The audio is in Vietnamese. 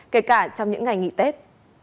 kể cả trong những ngày nghỉ tết